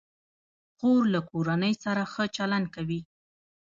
خور له کورنۍ سره ښه چلند کوي.